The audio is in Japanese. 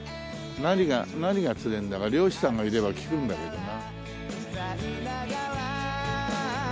何が釣れるんだか漁師さんがいれば聞くんだけどな。